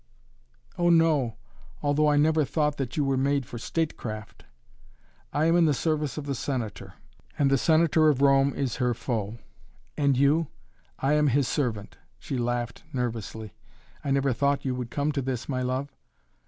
"Oh, no, although I never thought that you were made for statecraft." "I am in the service of the Senator. And the Senator of Rome is her foe." "And you?" "I am his servant." She laughed nervously. "I never thought you would come to this, my love."